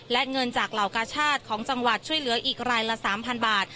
และเงินจากเหล่ากาชาติของจังหวัดช่วยเหลืออีกรายละ๓๐๐บาท